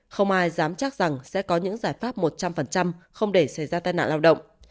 không ai dám chắc rằng sẽ có những giải pháp một trăm linh không để xảy ra tai nạn lao động